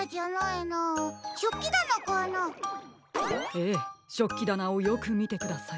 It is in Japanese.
ええしょっきだなをよくみてください。